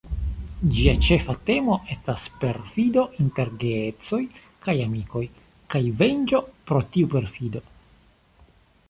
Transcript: Ĝia ĉefa temo estas perfido inter geedzoj kaj amikoj kaj venĝo pro tiu perfido.